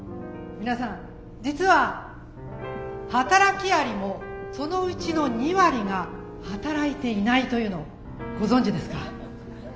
皆さん実は働きアリもそのうちの２割が働いていないというのをご存じですか？